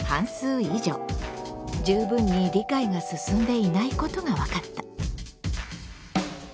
十分に理解が進んでいないことが分かった。